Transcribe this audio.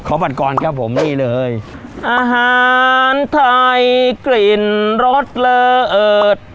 ขอบัตกรณ์ครับอาหารไทยกลิ่นรสเริด